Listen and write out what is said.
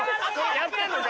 やってんのか？